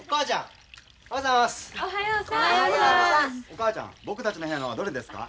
お母ちゃん僕たちの部屋のはどれですか？